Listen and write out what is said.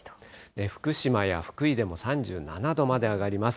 福島や福井でも３７度まで上がります。